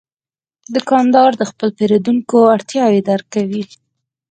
دوکاندار د خپلو پیرودونکو اړتیاوې درک کوي.